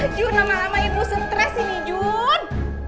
jun lama lama ibu stress ini jun